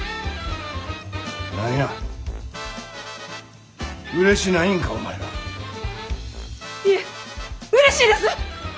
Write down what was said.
何やうれしないんかお前ら。いえうれしいです！